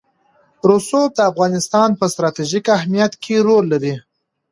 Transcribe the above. رسوب د افغانستان په ستراتیژیک اهمیت کې رول لري.